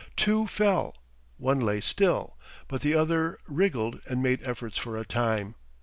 Two fell. One lay still, but the other wriggled and made efforts for a time.